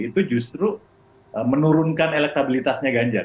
itu justru menurunkan elektabilitasnya ganjar